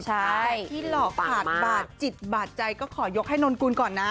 ใครที่หลอกขาดบาดจิตบาดใจก็ขอยกให้นนกุลก่อนนะ